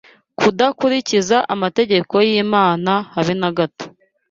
kudakurikiza amategeko y’Imana habe nagato